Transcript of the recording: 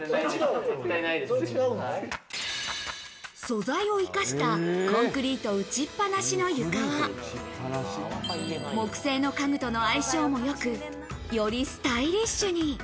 素材を生かしたコンクリート打ちっぱなしの床は、木製の家具との相性も良く、よりスタイリッシュに。